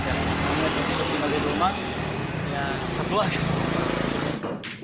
kalau yang selalu tinggal di rumah ya sebuah